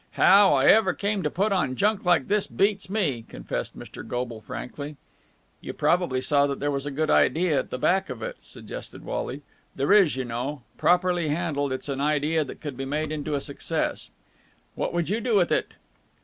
"How I ever came to put on junk like this beats me," confessed Mr. Goble frankly. "You probably saw that there was a good idea at the back of it," suggested Wally. "There is, you know. Properly handled, it's an idea that could be made into a success." "What would you do with it?"